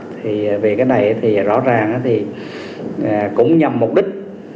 thì về cái này thì rõ ràng thì cũng nhằm mục đích